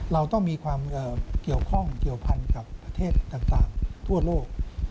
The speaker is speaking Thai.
เราต้องมีความเกี่ยวข้องเกี่ยวพันกับประเทศต่างทั่วโลก